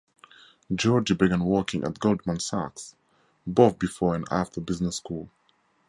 Georgi began working at Goldman Sachs both before and after business school.